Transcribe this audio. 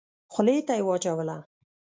خولې ته يې واچوله.